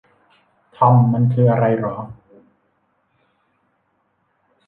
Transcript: ทอม มันคืออะไรหรอ